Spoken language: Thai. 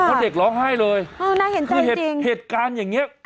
ใครเด็กร้องไห้เลยเห็นจำจริงคือเหตุการณ์อย่างเงี้ย